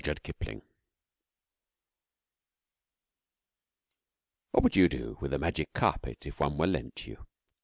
CITIES AND SPACES What would you do with a magic carpet if one were lent you?